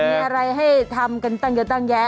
มีอะไรให้ทำกันตั้งเยอะตั้งแยะ